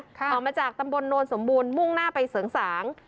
ออกมาจากตำบลโนนสมบูรณ์มุ่งหน้าไปเสริงสาง